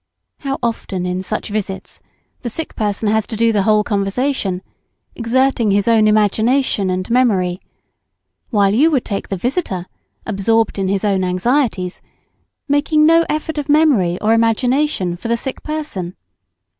How often in such visits the sick person has to do the whole conversation, exerting his own imagination and memory, while you would take the visitor, absorbed in his own anxieties, making no effort of memory or imagination, for the sick person.